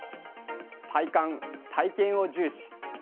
体感・体験を重視。